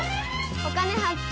「お金発見」。